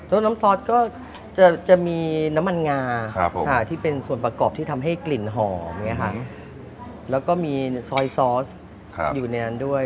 แล้วน้ำซอสก็จะมีน้ำมันงาที่เป็นส่วนประกอบที่ทำให้กลิ่นหอมแล้วก็มีซอยซอสอยู่ในนั้นด้วย